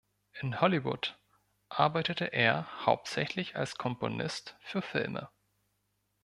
In Hollywood arbeitete er hauptsächlich als Komponist für Filme.